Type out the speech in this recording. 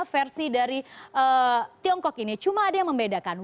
versi dari tiongkok ini cuma ada yang membedakan